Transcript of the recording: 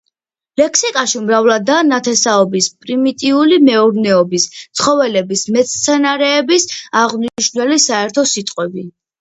ლექსიკაში მრავლადაა ნათესაობის, პრიმიტიული მეურნეობის, ცხოველების, მცენარეების აღმნიშვნელი საერთო სიტყვები.